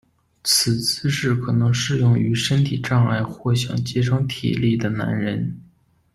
此姿势可能适用于身体障碍或想节省体力的男人。